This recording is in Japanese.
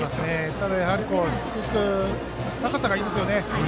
ただ、やはり高さがいいですよね。